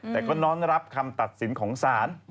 แต่ก็น้อมรับคำตัดสินของศาล